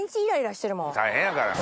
大変やからね。